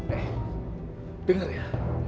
eh dengar ya